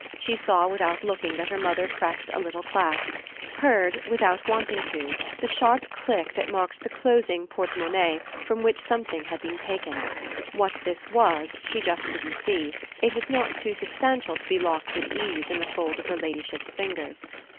She saw without looking that her mother pressed a little clasp; heard, without wanting to, the sharp click that marked the closing portemonnaie from which something had been taken. What this was she just didn't see; it was not too substantial to be locked with ease in the fold of her ladyship's fingers.